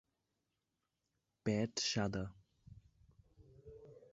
পেট সাদা।